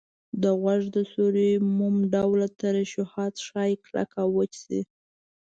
د غوږ د سوري موم ډوله ترشحات ښایي کلک او وچ شي.